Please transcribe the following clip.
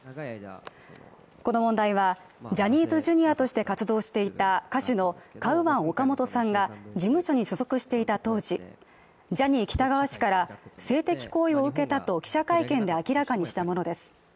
この問題はジャニーズＪｒ．として活動していた歌手のカウアン・オカモトさんが事務所に所属していた当時、ジャニー喜多川氏から性的行為を受けたと記者会見で明らかにしたものです。